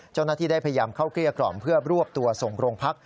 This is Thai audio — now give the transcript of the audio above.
เจ้าหน้าที่ได้พยายามเข้าเกลี้ยกล่อมเพื่อรวบตัวส่งโรงพัก